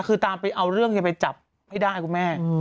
คือตามไปเอาเรื่องยังไปจับให้ได้คุณแม่